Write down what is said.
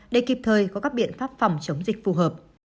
để kịp thời có các biện pháp phòng chống dịch phù hợp